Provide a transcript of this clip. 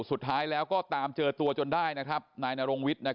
สุดท้ายแล้วก็ตามเจอตัวจนได้นะครับนายนโรงวิทย์นะครับ